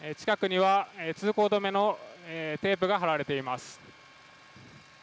近くには通行止めのテープが張られています。